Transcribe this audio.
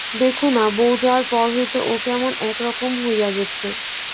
দেখো-না, বউ যাওয়ার পর হইতে ও কেমন একরকম হইয়া গেছে।